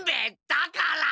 だから！